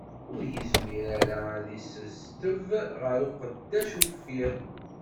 Ur yezmir ara ad isesteb ɣer uqeddac uffiɣ.